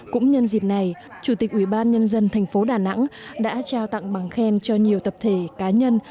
cũng nhân dịp này chủ tịch ubnd tp đà nẵng đã trao tặng bằng khen cho nhiều tập thể cá nhân